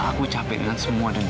aku capek dengan semua dendam ibu